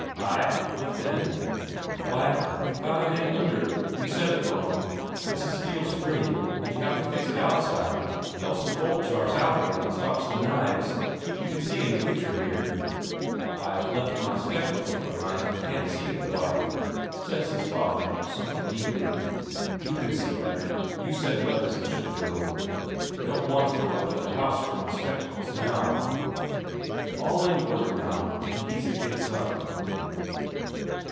"Ay, what then?" "Why, you've got it in under, you've set it wrong. It's a steel spring, and you have to fix it outside, else the bolt jars out again and stops the knives. You can see in the picture here." "I've left my spectacles behind, and can't see it quite," says his father, something meekly. "You can see better you set it as it should go. I don't want to go up to the house for my spectacles now." All in order now, and Isak gets up.